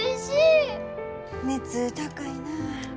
熱高いな。